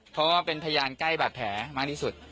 เพราะว่าเป็นพยานใกล้บาดแผลมากที่สุด